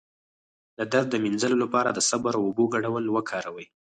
د درد د مینځلو لپاره د صبر او اوبو ګډول وکاروئ